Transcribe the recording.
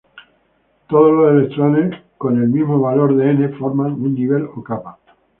Todos los electrones con el mismo valor de "n" forman un nivel o capa.